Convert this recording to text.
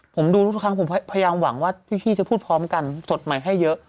ผมดูทุกครั้งผมพยายามหวังว่าพี่จะพูดพร้อมกันสดใหม่ให้เยอะ